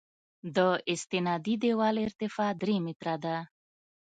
د استنادي دیوال ارتفاع درې متره ده